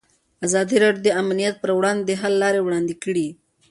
ازادي راډیو د امنیت پر وړاندې د حل لارې وړاندې کړي.